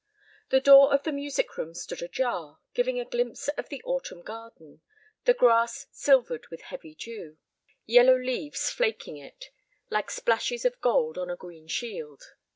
The door of the music room stood ajar, giving a glimpse of the autumn garden, the grass silvered with heavy dew, yellow leaves flaking it, like splashes of gold on a green shield.